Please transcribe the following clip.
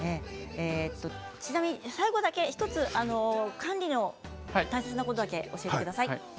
ちなみに最後に１つだけ管理の大切なことを教えてください。